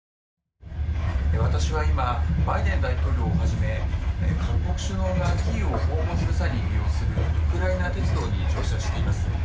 私は今バイデン大統領をはじめ各国首脳がキーウを訪問する際に利用するウクライナ鉄道に乗車しています。